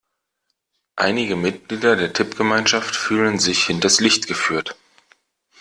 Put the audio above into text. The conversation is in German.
Einige Mitglieder der Tippgemeinschaft fühlen sich hinters Licht geführt.